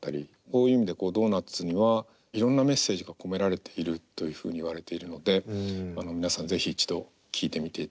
こういう意味で「Ｄｏｎｕｔｓ」にはいろんなメッセージが込められているというふうにいわれているので皆さん是非一度聴いてみていただければと思います。